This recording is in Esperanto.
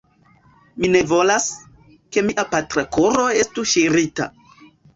Vi ne volas, ke mia patra koro estu ŝirita.